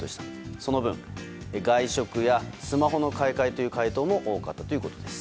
その分、外食やスマホの買い替えという回答も多かったと。